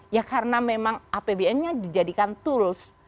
ya karena memang apbn nya dijadikan tools